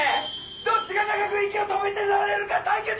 どっちが長く息を止めてられるか対決！」